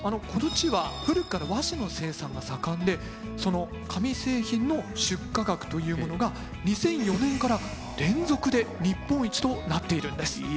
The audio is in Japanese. この地は古くから和紙の生産が盛んでその紙製品の出荷額というものが２００４年から連続で日本一となっているんです。